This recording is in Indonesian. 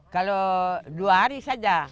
kalau dua hari saja